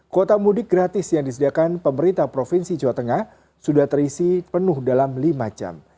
kuota mudik gratis yang disediakan pemerintah provinsi jawa tengah sudah terisi penuh dalam lima jam